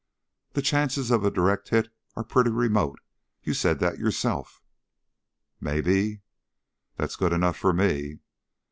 "The chances of a direct hit are pretty remote. You said that yourself." "Maybe...." "That's good enough for me."